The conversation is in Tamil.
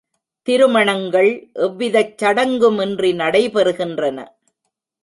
திருமணங்கள் எவ்விதச் சடங்குமின்றி நடைபெறுகின்றன.